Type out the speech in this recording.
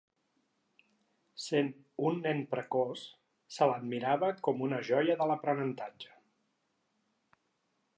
Sent un nen precoç, se l'admirava com una joia de l'aprenentatge.